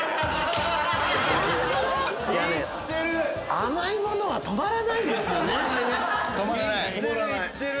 甘い物は止まらないですよね。